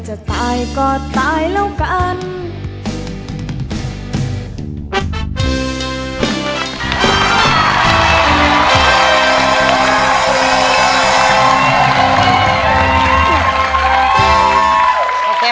แต่ท้ายที่สุดไม่รู้ทำไม